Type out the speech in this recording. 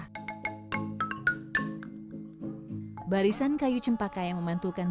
kearifan lokal sangat kental di lee kupang